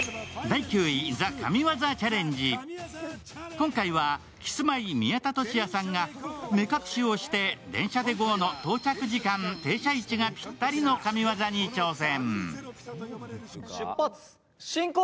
今回はキスマイ宮田俊哉さんが「電車でＧＯ！」の到着時間・停車位置がピッタリの神業に挑戦。